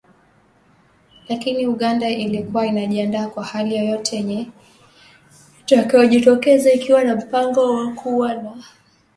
Lakini Uganda ilikuwa inajiandaa kwa hali yoyote yenye itakayojitokeza ikiwa na mpango wa kuwa na bidhaa muhimu na kubadilisha njia ya usafarishaji